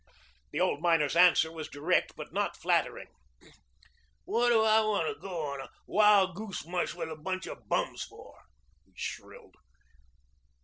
The old miner's answer was direct but not flattering. "What do I want to go on a wild goose mush with a bunch of bums for?" he shrilled.